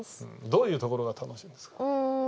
どういうところが楽しいんですか？